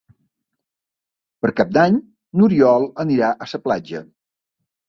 Per Cap d'Any n'Oriol anirà a la platja.